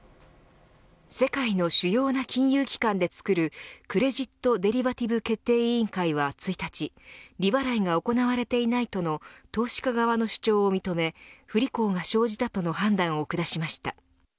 世界の主要な金融機関でつくるクレジット・デリバティブ決定委員会は１日利払いが行われていないとの投資家側の主張を認め不履行が生じたとの判断を下しました。